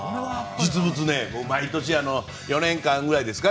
実物毎年４年半ぐらいですかね